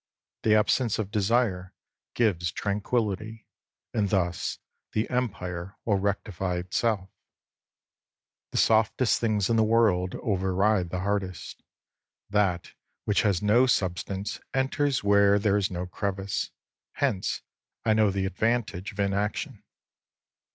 The absence of desire gives tranquillity. And thus the Empire will rectify itself. The softest things in the world override the hardest. That which has no substance enters where there is no crevice. Hence I know the advantage of inaction.